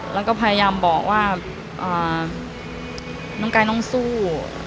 แล้วก็พยายามบอกว่าน้องกายต้องสู้